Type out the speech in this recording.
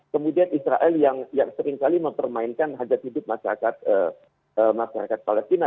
kemudian israel yang seringkali mempermainkan hajat hidup masyarakat palestina